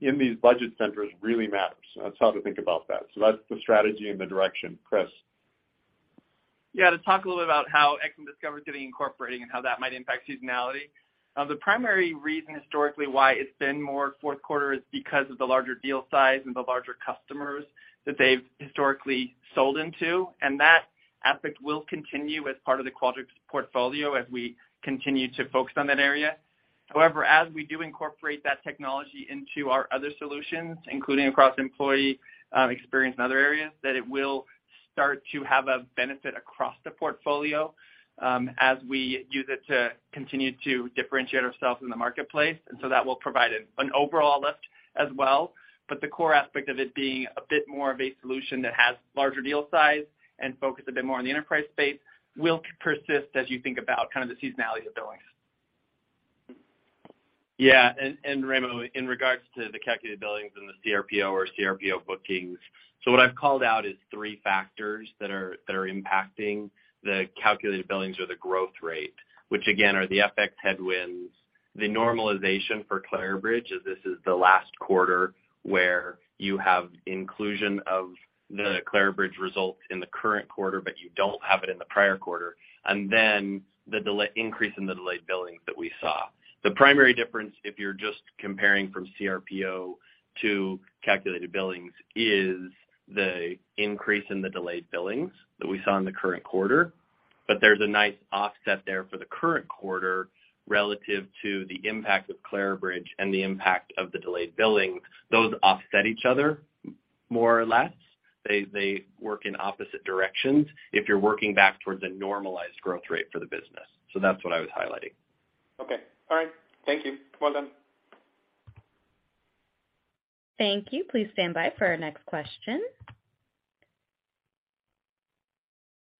in these budget centers really matters. That's how to think about that. That's the strategy and the direction. Chris. Yeah. To talk a little bit about how XM Discover is getting incorporated and how that might impact seasonality. The primary reason historically why it's been more fourth quarter is because of the larger deal size and the larger customers that they've historically sold into. That aspect will continue as part of the Qualtrics portfolio as we continue to focus on that area. However, as we do incorporate that technology into our other solutions, including across employee experience and other areas, that it will start to have a benefit across the portfolio, as we use it to continue to differentiate ourselves in the marketplace. That will provide an overall lift as well. The core aspect of it being a bit more of a solution that has larger deal size and focus a bit more on the enterprise space will persist as you think about kind of the seasonality of billings. Yeah. And Raimo, in regards to the calculated billings and the CRPO or CRPO bookings. What I've called out is three factors that are impacting the calculated billings or the growth rate, which again are the FX headwinds, the normalization for Clarabridge as this is the last quarter where you have inclusion of the Clarabridge results in the current quarter, but you don't have it in the prior quarter, and then the increase in the delayed billings that we saw. The primary difference, if you're just comparing from CRPO to calculated billings, is the increase in the delayed billings that we saw in the current quarter. There's a nice offset there for the current quarter relative to the impact of Clarabridge and the impact of the delayed billings. Those offset each other more or less. They work in opposite directions if you're working back towards a normalized growth rate for the business. That's what I was highlighting. Okay. All right. Thank you. Well done. Thank you. Please stand by for our next question.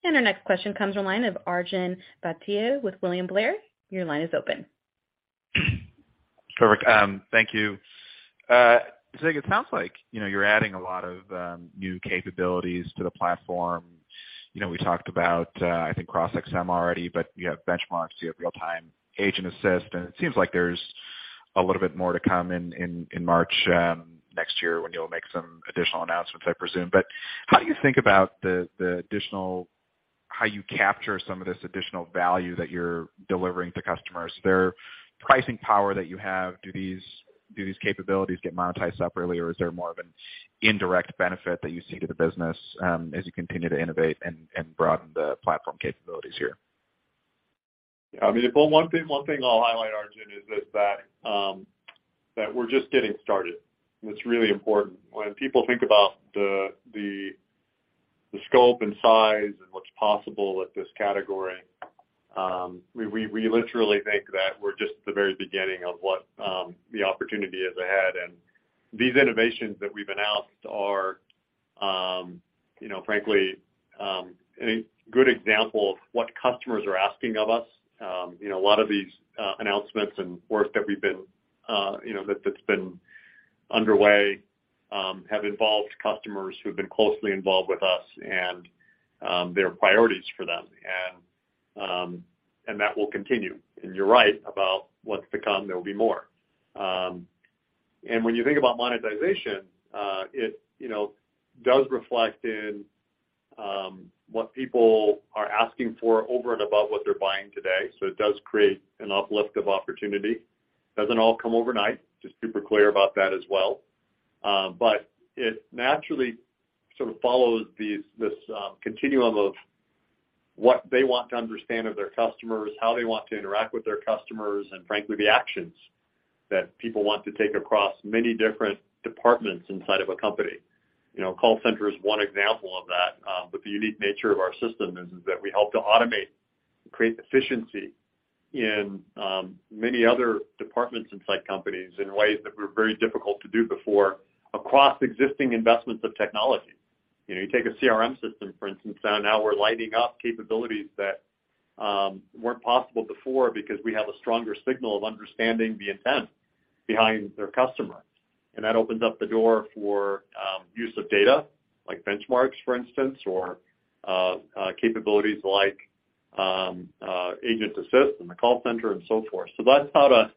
Our next question comes from line of Arjun Bhatia with William Blair. Your line is open. Perfect. Thank you. Zig, it sounds like, you know, you're adding a lot of new capabilities to the platform. You know, we talked about, I think CrossXM already, but you have XM Benchmarks, you have Real-Time Agent Assist, and it seems like there's a little bit more to come in March next year when you'll make some additional announcements, I presume. How do you think about the additional. How you capture some of this additional value that you're delivering to customers, their pricing power that you have, do these capabilities get monetized up earlier or is there more of an indirect benefit that you see to the business, as you continue to innovate and broaden the platform capabilities here? Yeah, I mean, well, one thing I'll highlight, Arjun, is just that we're just getting started, and it's really important. When people think about the scope and size and what's possible with this category, we literally think that we're just at the very beginning of what the opportunity is ahead. These innovations that we've announced are, you know, frankly, a good example of what customers are asking of us. You know, a lot of these announcements and work that's been underway have involved customers who've been closely involved with us and their priorities for them. That will continue. You're right about what's to come. There will be more. When you think about monetization, it, you know, does reflect in what people are asking for over and above what they're buying today. It does create an uplift of opportunity. It doesn't all come overnight, just super clear about that as well. It naturally sort of follows this continuum of what they want to understand of their customers, how they want to interact with their customers, and frankly, the actions that people want to take across many different departments inside of a company. You know, call center is one example of that. The unique nature of our system is that we help to automate and create efficiency in many other departments inside companies in ways that were very difficult to do before across existing investments of technology. You know, you take a CRM system, for instance, now we're lighting up capabilities that weren't possible before because we have a stronger signal of understanding the intent behind their customers. That opens up the door for use of data like benchmarks, for instance, or capabilities like agent assist in the call center and so forth. That's how to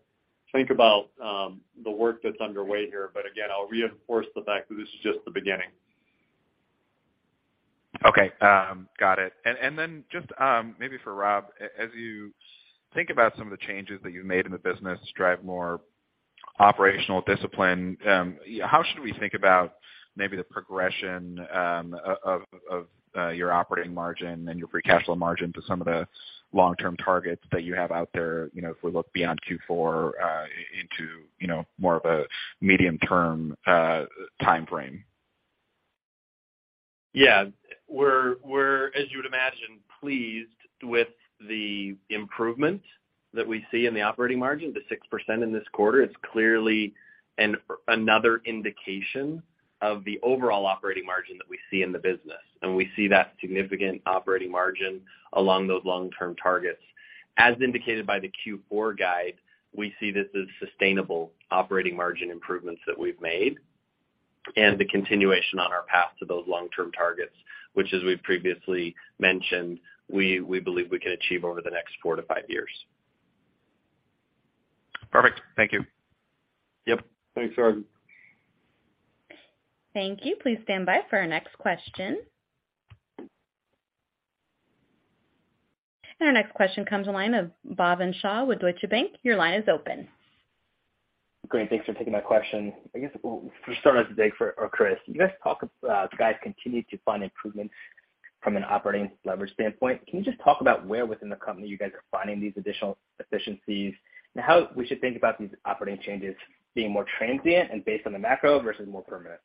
think about the work that's underway here. Again, I'll reinforce the fact that this is just the beginning. Okay, got it. Just, maybe for Rob, as you think about some of the changes that you've made in the business to drive more operational discipline, how should we think about maybe the progression of your operating margin and your free cash flow margin to some of the long-term targets that you have out there, you know, if we look beyond Q4, into, you know, more of a medium-term timeframe? Yeah. We're, as you would imagine, pleased with the improvement that we see in the operating margin to 6% in this quarter. It's clearly another indication of the overall operating margin that we see in the business, and we see that significant operating margin along those long-term targets. As indicated by the Q4 guide, we see this as sustainable operating margin improvements that we've made and the continuation on our path to those long-term targets, which as we've previously mentioned, we believe we can achieve over the next four to five years. Perfect. Thank you. Yep. Thanks, Arjun. Thank you. Please stand by for our next question. Our next question comes to line of Bhavin Shah with Deutsche Bank. Your line is open. Great. Thanks for taking my question. I guess we'll start out today, Chris, as you guys continue to find improvements from an operating leverage standpoint. Can you just talk about where within the company you guys are finding these additional efficiencies and how we should think about these operating changes being more transient and based on the macro versus more permanent?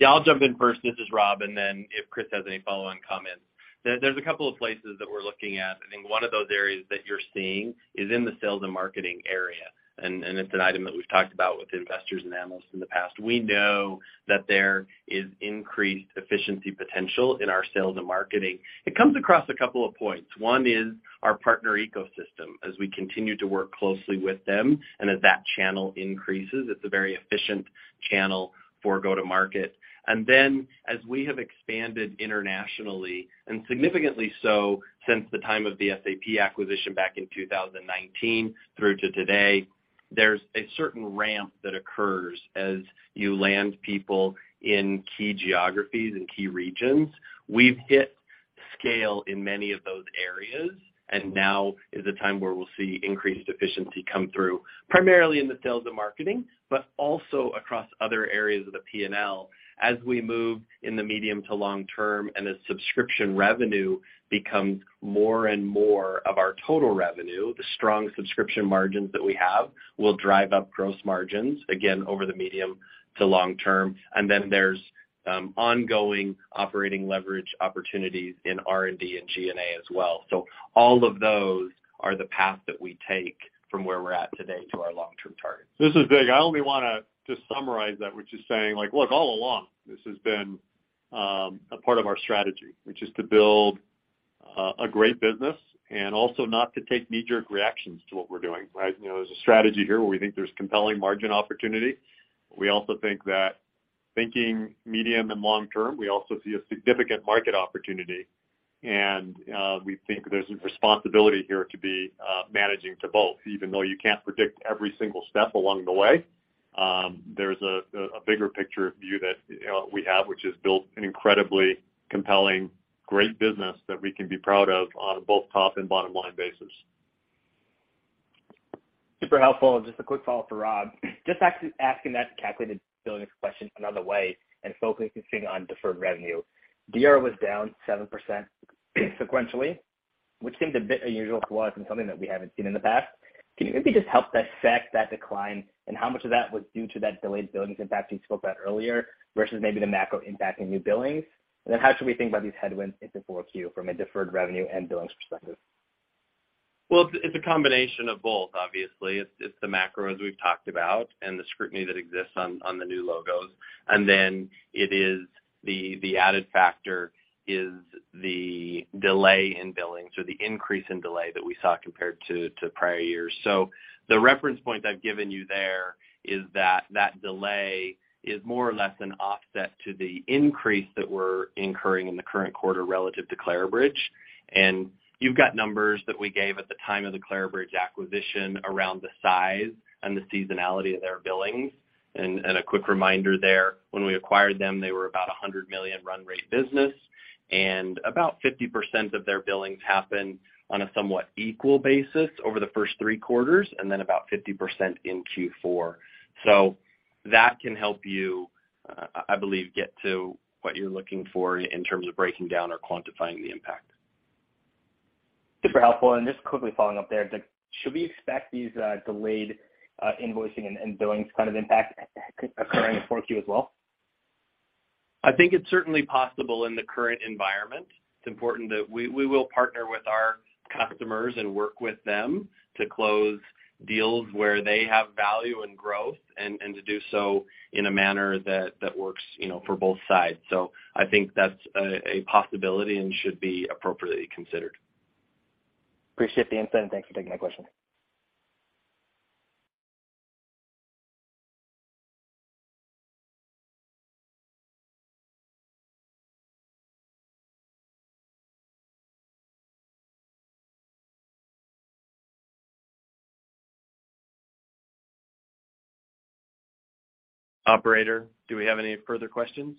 Yeah, I'll jump in first. This is Rob, and then if Chris has any follow-on comments. There's a couple of places that we're looking at. I think one of those areas that you're seeing is in the sales and marketing area, and it's an item that we've talked about with investors and analysts in the past. We know that there is increased efficiency potential in our sales and marketing. It comes across a couple of points. One is our partner ecosystem. As we continue to work closely with them, and as that channel increases, it's a very efficient channel for go-to-market. Then as we have expanded internationally, and significantly so since the time of the SAP acquisition back in 2019 through to today, there's a certain ramp that occurs as you land people in key geographies and key regions. We've hit scale in many of those areas, and now is the time where we'll see increased efficiency come through, primarily in the sales and marketing, but also across other areas of the P&L. As we move in the medium to long term, and as subscription revenue becomes more and more of our total revenue, the strong subscription margins that we have will drive up gross margins, again, over the medium to long term. There's ongoing operating leverage opportunities in R&D and G&A as well. All of those are the path that we take from where we're at today to our long-term targets. This is Zig. I only wanna just summarize that, which is saying, like, look, all along, this has been a part of our strategy, which is to build a great business and also not to take knee-jerk reactions to what we're doing, right? You know, there's a strategy here where we think there's compelling margin opportunity. We also think that thinking medium and long term, we also see a significant market opportunity. We think there's a responsibility here to be managing to both, even though you can't predict every single step along the way. There's a bigger picture view that we have, which is build an incredibly compelling, great business that we can be proud of on both top and bottom-line basis. Super helpful. Just a quick follow-up for Rob. Just asking that calculated billings question another way and focusing on deferred revenue. DR was down 7% sequentially, which seemed a bit unusual for us and something that we haven't seen in the past. Can you maybe just help us unpack that decline and how much of that was due to that delayed billings impact you spoke about earlier, versus maybe the macro impact on new billings? How should we think about these headwinds into 4Q from a deferred revenue and billings perspective? Well, it's a combination of both, obviously. It's the macro, as we've talked about, and the scrutiny that exists on the new logos. It is the added factor is the delay in billings or the increase in delay that we saw compared to prior years. The reference point I've given you there is that delay is more or less an offset to the increase that we're incurring in the current quarter relative to Clarabridge. You've got numbers that we gave at the time of the Clarabridge acquisition around the size and the seasonality of their billings. A quick reminder there, when we acquired them, they were about a $100 million run rate business, and about 50% of their billings happen on a somewhat equal basis over the first three quarters, and then about 50% in Q4. That can help you, I believe, get to what you're looking for in terms of breaking down or quantifying the impact. Super helpful. Just quickly following up there, like should we expect these delayed invoicing and billings kind of impact occurring in 4Q as well? I think it's certainly possible in the current environment. It's important that we will partner with our customers and work with them to close deals where they have value and growth and to do so in a manner that works, you know, for both sides. I think that's a possibility and should be appropriately considered. Appreciate the insight, and thanks for taking my question. Operator, do we have any further questions?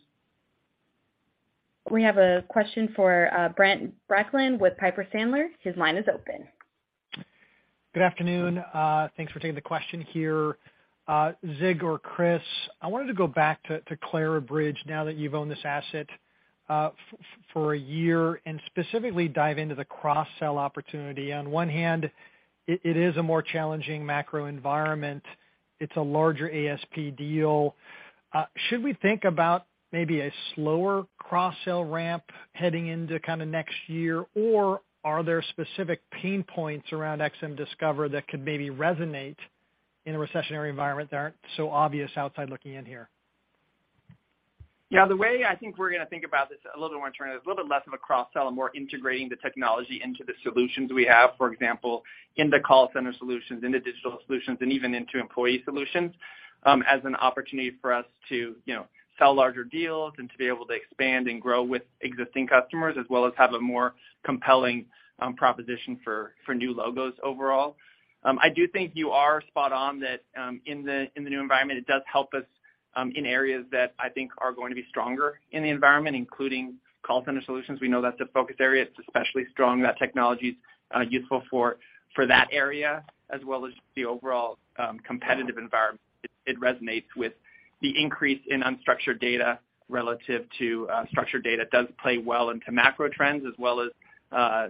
We have a question for Brent Bracelin with Piper Sandler. His line is open. Good afternoon. Thanks for taking the question here. Zig or Chris, I wanted to go back to Clarabridge now that you've owned this asset for a year, and specifically dive into the cross-sell opportunity. On one hand, it is a more challenging macro environment. It's a larger ASP deal. Should we think about maybe a slower cross-sell ramp heading into next year? Or are there specific pain points around XM Discover that could maybe resonate in a recessionary environment that aren't so obvious outside looking in here? Yeah, the way I think we're gonna think about this a little more internally is a little bit less of a cross-sell and more integrating the technology into the solutions we have. For example, in the call center solutions, in the digital solutions, and even into employee solutions, as an opportunity for us to, you know, sell larger deals and to be able to expand and grow with existing customers, as well as have a more compelling proposition for new logos overall. I do think you are spot on that, in the new environment, it does help us in areas that I think are going to be stronger in the environment, including call center solutions. We know that's a focus area. It's especially strong. That technology's useful for that area, as well as the overall competitive environment. It resonates with the increase in unstructured data relative to structured data. It does play well into macro trends as well as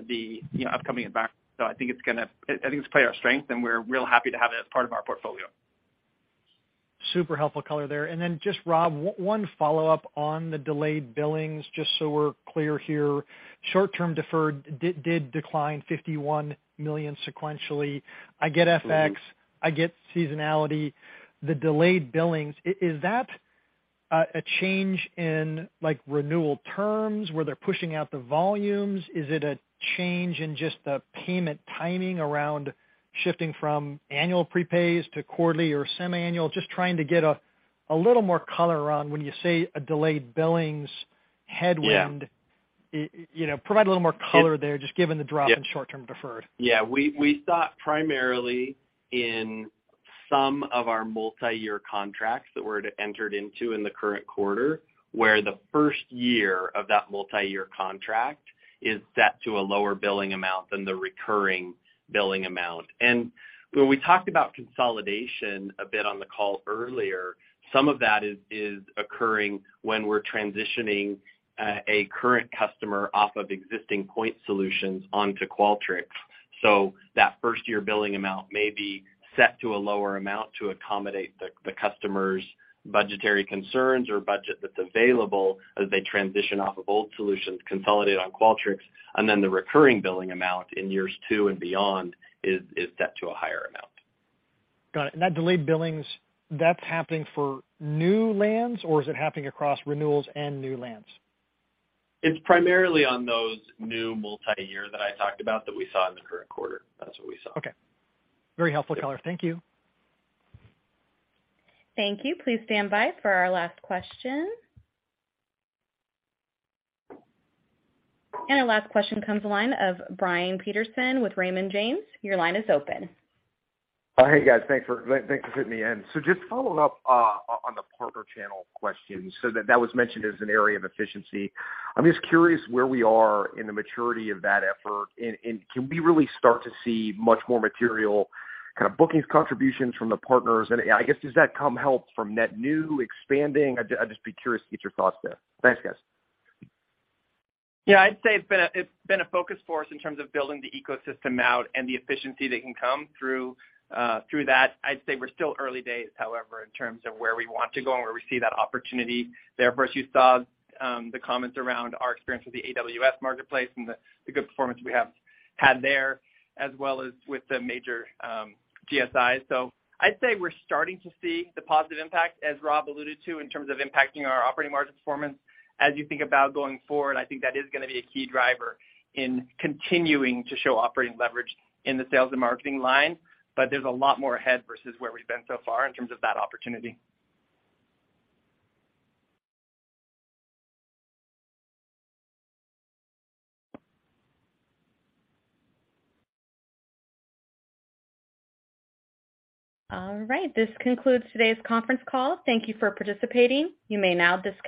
the, you know, upcoming environment. I think it's gonna play to our strength, and we're real happy to have it as part of our portfolio. Super helpful color there. Just Rob, one follow-up on the delayed billings, just so we're clear here. Short-term deferred did decline $51 million sequentially. I get FX. Mm-hmm. I get seasonality. The delayed billings, is that a change in like renewal terms where they're pushing out the volumes? Is it a change in just the payment timing around shifting from annual prepays to quarterly or semiannual? Just trying to get a little more color around when you say a delayed billings headwind. Yeah. You know, provide a little more color there, just given the drop. Yeah. in short-term deferred. Yeah. We saw it primarily in some of our multiyear contracts that were entered into in the current quarter, where the first year of that multiyear contract is set to a lower billing amount than the recurring billing amount. When we talked about consolidation a bit on the call earlier, some of that is occurring when we're transitioning a current customer off of existing point solutions onto Qualtrics. That first-year billing amount may be set to a lower amount to accommodate the customer's budgetary concerns or budget that's available as they transition off of old solutions, consolidate on Qualtrics, and then the recurring billing amount in years two and beyond is set to a higher amount. Got it. That delayed billings, that's happening for new lands or is it happening across renewals and new lands? It's primarily on those new multiyear that I talked about that we saw in the current quarter. That's what we saw. Okay. Very helpful color. Thank you. Thank you. Please stand by for our last question. Our last question comes from the line of Brian Peterson with Raymond James. Your line is open. Oh, hey, guys. Thanks for fitting me in. Just following up on the partner channel question. That was mentioned as an area of efficiency. I'm just curious where we are in the maturity of that effort. Can we really start to see much more material kind of bookings contributions from the partners? I guess, does that come from net new expanding? I'd just be curious to get your thoughts there. Thanks, guys. Yeah, I'd say it's been a focus for us in terms of building the ecosystem out and the efficiency that can come through that. I'd say we're still early days, however, in terms of where we want to go and where we see that opportunity there. Of course, you saw the comments around our experience with the AWS Marketplace and the good performance we have had there, as well as with the major GSIs. I'd say we're starting to see the positive impact, as Rob alluded to, in terms of impacting our operating margin performance. As you think about going forward, I think that is gonna be a key driver in continuing to show operating leverage in the sales and marketing line, but there's a lot more ahead versus where we've been so far in terms of that opportunity. All right. This concludes today's conference call. Thank you for participating. You may now dis-